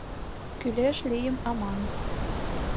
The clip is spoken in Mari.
Кӱлеш лийым аман...